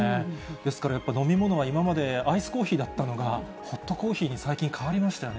ですからやっぱ、飲み物は今までアイスコーヒーだったのが、ホットコーヒーに最近、変わりましたよね。